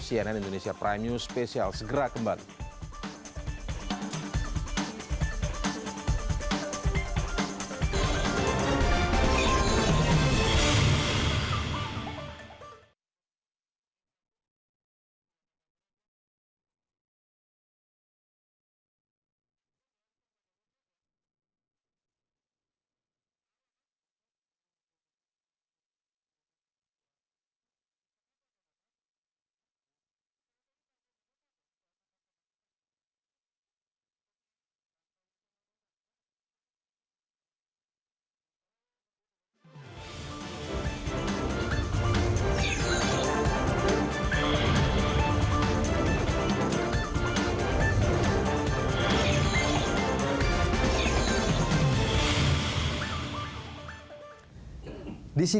cnn indonesia prime news spesial segera kembali